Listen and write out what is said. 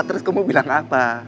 terus kamu bilang apa